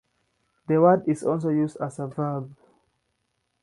The word is also used as a verb.